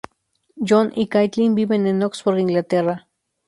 John y Caitlin viven en Oxford, Inglaterra.